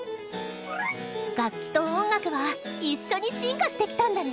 楽器と音楽は一緒に進化してきたんだね！